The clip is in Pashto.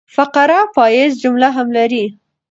فقره پاییزه جمله هم لري.